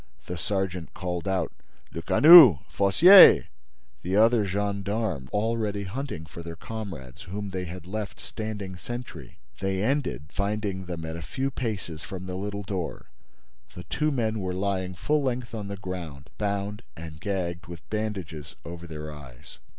The sergeant called out: "Lecanu!—Fossier!" The other gendarmes were already hunting for their comrades whom they had left standing sentry. They ended by finding them at a few paces from the little door. The two men were lying full length on the ground, bound and gagged, with bandages over their eyes.